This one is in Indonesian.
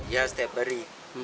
ya setiap hari